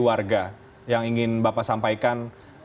warga yang ingin bapak sampaikan